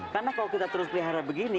karena kalau kita terus kelihatan begini